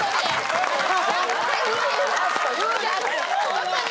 ホントに。